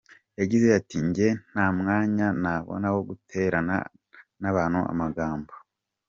Yagize ati: “Njye nta mwanya nabona wo guterana n’abantu amagambo.